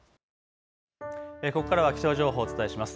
ここからは気象情報、お伝えします。